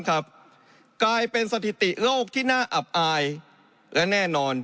กลายเป็นสถิติโลกที่น่าอับอายและแน่นอน